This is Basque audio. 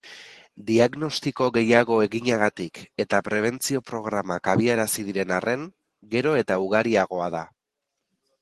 Diagnostiko gehiago eginagatik eta prebentzio-programak abiarazi diren arren, gero eta ugariagoa da.